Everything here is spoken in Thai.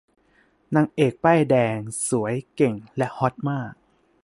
นางเอกป้ายแดง สวย เก่ง และฮอตมาก